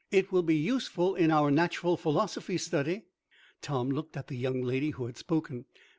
It will be useful in our natural philosophy study!" Tom looked at the young lady who had spoken.